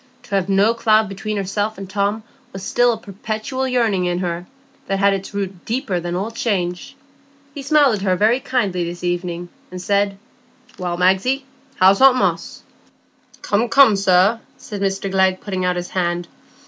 To have no cloud between herself and Tom was still a perpetual yearning in her, that had its root deeper than all change. He smiled at her very kindly this evening, and said, "Well, Magsie, how's aunt Moss?" "Come, come, sir," said Mr Glegg putting out his hand.